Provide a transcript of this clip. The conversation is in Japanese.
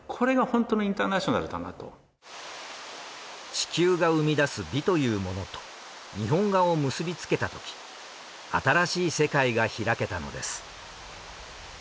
地球が生み出す美というものと日本画を結びつけたとき新しい世界が開けたのです。